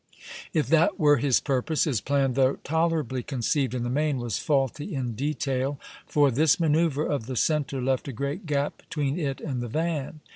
If that were his purpose, his plan, though tolerably conceived in the main, was faulty in detail, for this manoeuvre of the centre left a great gap between it and the van.